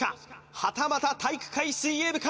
はたまた体育会水泳部か？